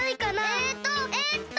えっとえっと。